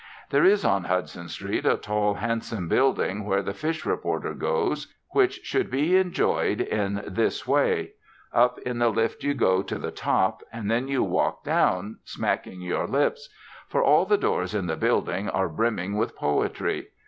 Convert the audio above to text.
There is on Hudson Street a tall handsome building where the fish reporter goes, which should be enjoyed in this way: Up in the lift you go to the top, and then you walk down, smacking your lips. For all the doors in that building are brimming with poetry.